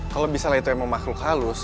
kalau misalnya itu emang makhluk halus